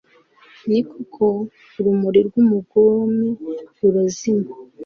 ni koko, urumuri rw'umugome rurazima